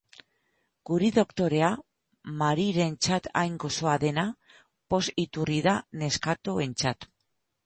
Curie doktorea, Marierentzat hain goxoa dena, poz-iturri da neskatoentzat.